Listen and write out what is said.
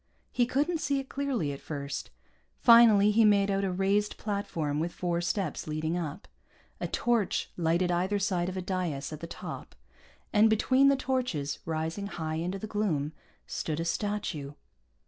He couldn't see it clearly, at first. Finally, he made out a raised platform with four steps leading up. A torch lighted either side of a dais at the top, and between the torches, rising high into the gloom, stood a statue.